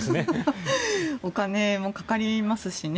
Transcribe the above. お金もかかりますしね